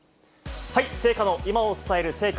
聖火の今を伝える聖火